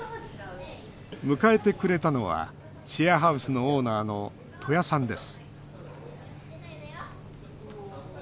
迎えてくれたのはシェアハウスのオーナーの戸谷さんです